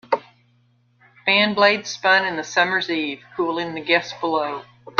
Fan blades spun in the summer's eve, cooling the guests below.